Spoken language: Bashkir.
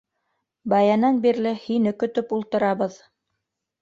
Баянан бирле һине көтөп ултырабыҙ.